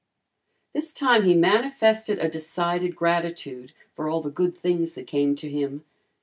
This time he manifested a decided gratitude for all the good things that came to him.